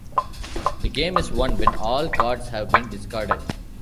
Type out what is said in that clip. The game is won when all cards have been discarded.